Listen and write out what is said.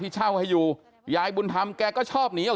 แข็งแข็งแข็งแข็งแข็งแข็ง